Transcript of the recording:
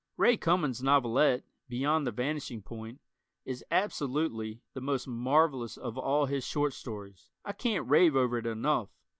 Ray Cummings' novelette, "Beyond the Vanishing Point," is absolutely the most marvelous of all his short stories. I can't rave over it enough.